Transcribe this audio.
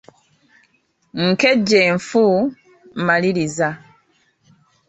Nkejje nfu, maliriza.